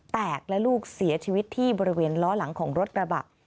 แตกและลูกเสียชีวิตที่บริเวณล้อหลังของรถกระบะ